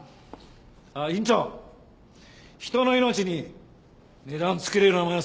あっ院長人の命に値段つけるようなまねはすんなよ！